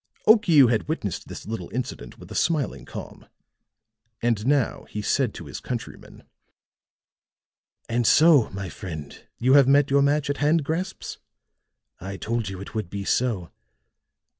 Okiu had witnessed this little incident with a smiling calm. And now he said to his countryman: "And so, my friend, you have met your match at hand grasps? I told you it would be so.